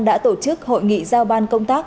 đã tổ chức hội nghị giao ban công tác